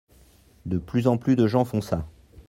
De plus en plus de gens font ça.